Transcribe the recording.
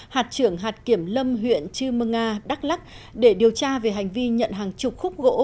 hạt trưởng hạt kiểm lâm huyện chư mơ nga đắk lắc để điều tra về hành vi nhận hàng chục khúc gỗ